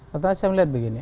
saya melihat begini